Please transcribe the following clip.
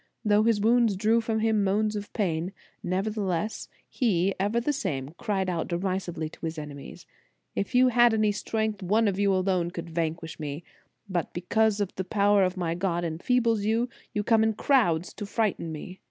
Though his wounds drew from him moans of pain, nevertheless he, ever the same, cried out derisively to his enemies: If you had any strength, one of you alone could vanquish me, but because the power of my God enfeebles you, you come in crowds to frighten me.